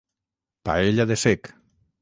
Paella de cec.